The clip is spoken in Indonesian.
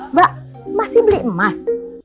mbak masih beli emas